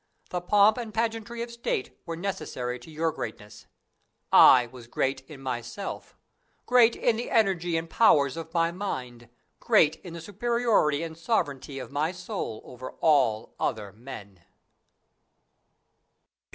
The pomp and pageantry of state were necessary to your greatness; I was great in myself, great in the energy and powers of my mind, great in the superiority and sovereignty of my soul over all other men.